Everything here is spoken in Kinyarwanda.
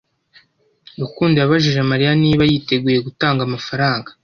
Rukundo yabajije Mariya niba yiteguye gutanga amafaranga.